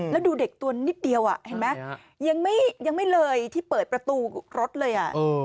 แล้วดูเด็กตัวนิดเดียวเห็นไหมยังไม่เลยที่เปิดประตูรถเลย